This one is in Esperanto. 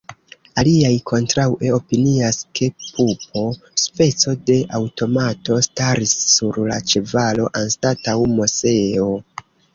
Aliaj kontraŭe opinias, ke pupo, speco de aŭtomato staris sur la ĉevalo anstataŭ Moseo.